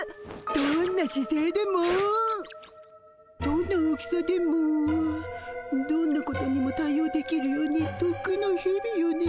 どんなしせいでもどんな大きさでもどんなことにも対応できるようにとっくんの日々よね。